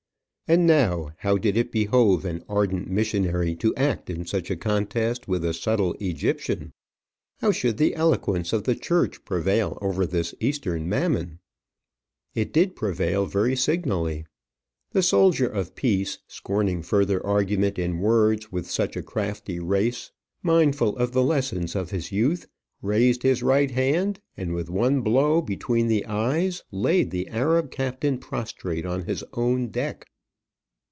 And now how did it behove an ardent missionary to act in such a contest with a subtle Egyptian? How should the eloquence of the church prevail over this Eastern Mammon? It did prevail very signally. The soldier of peace, scorning further argument in words with such a crafty reis, mindful of the lessons of his youth, raised his right hand, and with one blow between the eyes, laid the Arab captain prostrate on his own deck.